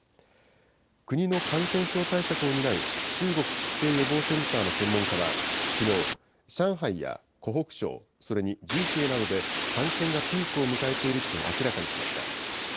国の感染症対策を担う中国疾病予防センターの専門家はきのう、上海や湖北省、それに重慶などで、感染がピークを迎えていると明らかにしました。